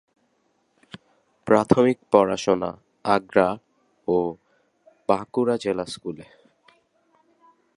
প্রাথমিক পড়াশোনা আগ্রা ও বাঁকুড়া জেলা স্কুলে।